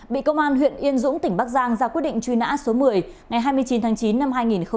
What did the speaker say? bị công an huyện yên dũng tỉnh bắc giang ra quyết định truy nã số một mươi ngày hai mươi chín tháng chín năm hai nghìn một mươi ba